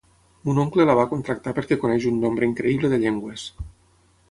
Mon oncle la va contractar perquè coneix un nombre increïble de llengües.